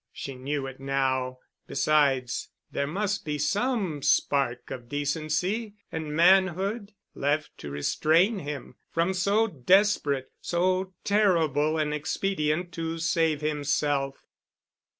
She knew it now. Besides, there must be some spark of decency and manhood left to restrain him from so desperate, so terrible an expedient to save himself.